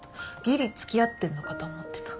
ギリ付き合ってんのかと思ってた。